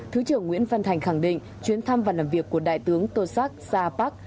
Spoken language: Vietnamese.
thứ trưởng nguyễn văn thành khẳng định chuyến thăm và làm việc của đại tướng tô sắc sa bắc